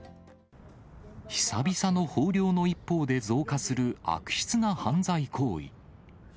久々の豊漁の一方で増加する悪質な犯罪行為。